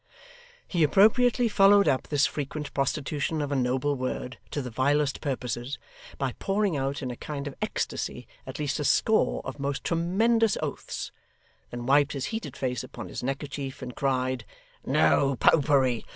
He appropriately followed up this frequent prostitution of a noble word to the vilest purposes, by pouring out in a kind of ecstasy at least a score of most tremendous oaths; then wiped his heated face upon his neckerchief, and cried, 'No Popery!